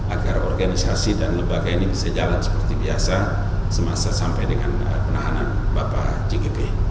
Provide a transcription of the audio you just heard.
agar organisasi dan lembaga ini bisa jalan seperti biasa semasa sampai dengan penahanan bapak jgp